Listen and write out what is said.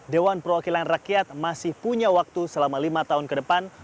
dewan perwakilan rakyat masih punya waktu selama lima tahun ke depan